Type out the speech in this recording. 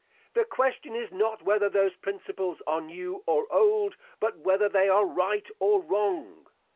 The question is not whether those principles are new or old, but whether they are right or wrong.